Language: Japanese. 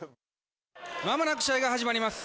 まもなく試合が始まります。